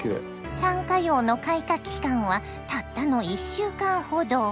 サンカヨウの開花期間はたったの１週間ほど。